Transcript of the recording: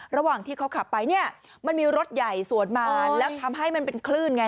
ระหว่างที่เขาขับไปเนี่ยมันมีรถใหญ่สวนมาแล้วทำให้มันเป็นคลื่นไง